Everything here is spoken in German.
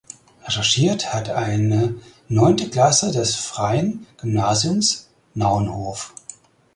Recherchiert hatte eine neunte Klasse des Freien Gymnasiums Naunhof.